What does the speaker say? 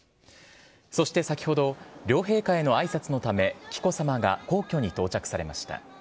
そして先ほど、両陛下へのあいさつのため、紀子さまが皇居に到着されました。